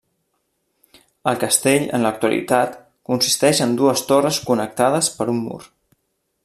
El castell en l'actualitat consisteix en dues torres connectades per un mur.